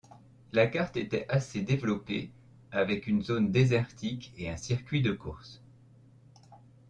La carte était assez développée, avec une zone déserique et un circuit de course.